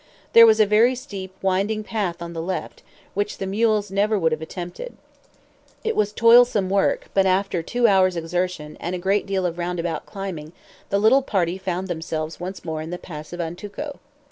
There was a very steep winding path on the left, which the mules never would have attempted. It was toilsome work, but after two hours' exertion, and a great deal of roundabout climbing, the little party found themselves once more in the pass of Antuco.